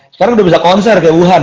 sekarang udah bisa konser kayak wuhan